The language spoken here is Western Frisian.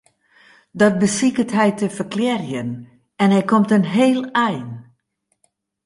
Dat besiket hy te ferklearjen en hy komt in heel ein.